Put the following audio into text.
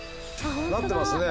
なってますね。